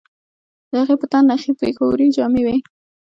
د هغې په تن نخي پېښورۍ جامې وې